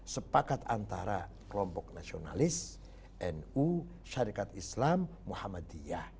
sepakat antara kelompok nasionalis nu syarikat islam muhammadiyah